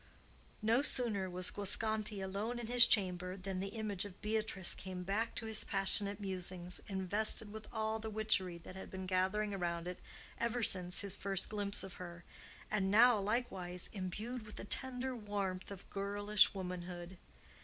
No sooner was Guasconti alone in his chamber than the image of Beatrice came back to his passionate musings, invested with all the witchery that had been gathering around it ever since his first glimpse of her, and now likewise imbued with a tender warmth of girlish womanhood.